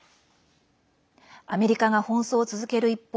アメリカが奔走を続ける一方